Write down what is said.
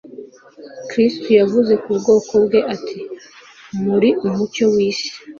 kristo yavuze ku bwoko bwe ati, muri umucyo w'isi